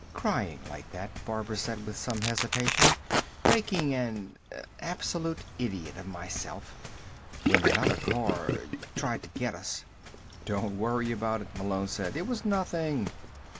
"Crying like that," Barbara said with some hesitation. "Making an absolute idiot of myself. When that other car tried to get us." "Don't worry about it," Malone said. "It was nothing."